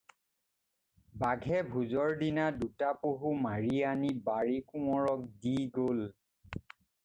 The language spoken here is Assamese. বাঘে ভোজৰ দিনা দুটা পহু মাৰি আনি বাঁৰী-কোঁৱৰক দি গ'ল।